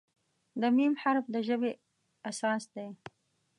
د "م" حرف د ژبې اساس دی.